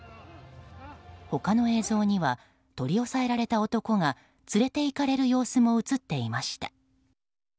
他の映像には取り押さえられた男が連れていかれる様子も映っていました。